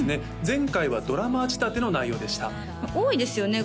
前回はドラマ仕立ての内容でした多いですよね